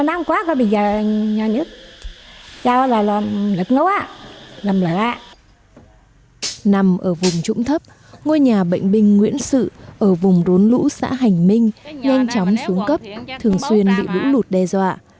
nằm ở vùng trũng thấp ngôi nhà bệnh binh nguyễn sự ở vùng rốn lũ xã hành minh nhanh chóng xuống cấp thường xuyên bị lũ lụt đe dọa